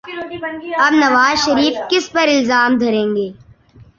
اب نواز شریف کس پہ الزام دھریں گے؟